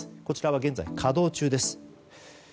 こちらは現在、稼働中です。